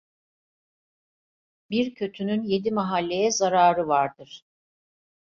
Bir kötünün yedi mahalleye zararı vardır.